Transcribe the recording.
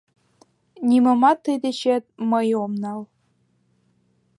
«Нимомат тый дечет мый ом нал...»